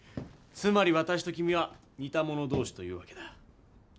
つまり私と君は似た者同士というわけだ。